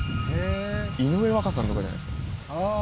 井上和香さんとかじゃないですか？